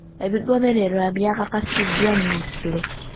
Ebigobererwa byakakasiddwa minisitule.